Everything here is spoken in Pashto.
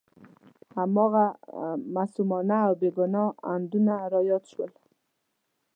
هماغه معصومانه او بې ګناه اندونه را یاد شول.